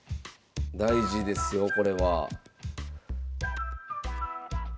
大事ですよこれは。